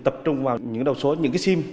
tập trung vào những đầu số những cái sim